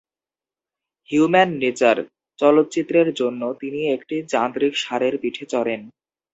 "Human nature" চলচ্চিত্রের জন্য তিনি একটি যান্ত্রিক ষাঁড়ের পিঠে চড়েন।